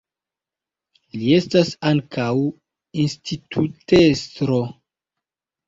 Li estas ankaŭ institutestro.